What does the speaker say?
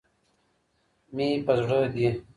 مي په زړه دي